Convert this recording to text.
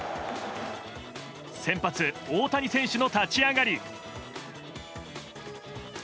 先発、大谷選手の立ち上がり。